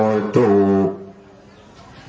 น้องชัดอ่อนชุดแรกก็จะเป็นตัวที่สุดท้าย